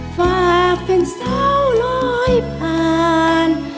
ฝากเป็นสาวน้อยผ่าน